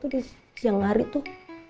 di siang hari tuh